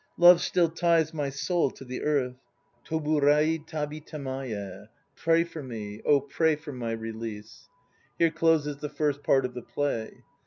Love still ties my soul to the earth. Toburai tabi tamaye! Pray for me, oh, pray for my re lease!" Here closes the first part of the play.